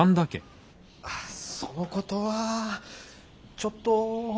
あっそのことはちょっと。